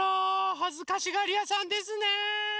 はずかしがりやさんですね。